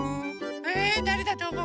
えだれだとおもう？